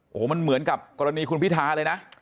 โอ้โหมันเหมือนกับกรณีคุณพิทาเลยนะ